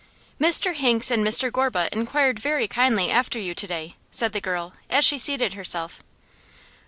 'Mr Hinks and Mr Gorbutt inquired very kindly after you to day,' said the girl, as she seated herself.